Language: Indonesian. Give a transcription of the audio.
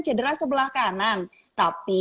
cedera sebelah kanan tapi